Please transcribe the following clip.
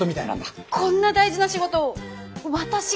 こんな大事な仕事を私が？